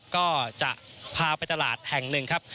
นั่นก็คือจังหวัดกำแพงเพชรนะครับ